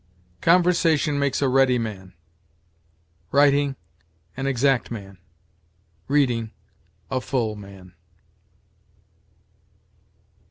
"Conversation makes a ready man; writing, an exact man; reading, a full man."